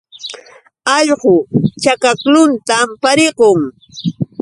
Allqu chakaklluntam pariqun.